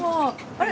あれ？